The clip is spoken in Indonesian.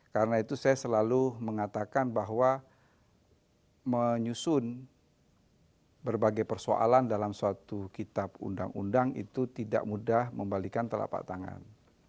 karena itu saya selalu mengatakan bahwa menyusun berbagai persoalan dalam suatu kitab undang undang itu tidak mudah membalikan telapak tangan